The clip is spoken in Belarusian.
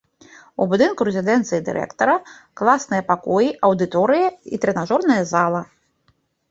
У будынку рэзідэнцыі дырэктара, класныя пакоі, аўдыторыі і трэнажорная зала.